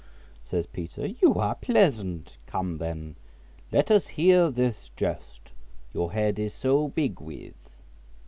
says Peter, "you are pleasant; come then, let us hear this jest your head is so big with."